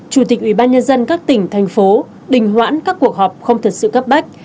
chủ tịch ủy ban nhân dân các tỉnh thành phố đình hoãn các cuộc họp không thật sự cấp bách